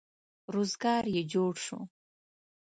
روزګار یې جوړ شو.